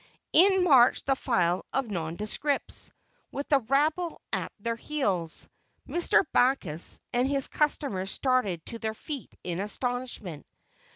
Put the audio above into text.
In marched the file of nondescripts, with the rabble at their heels. Mr. Backus and his customers started to their feet in astonishment.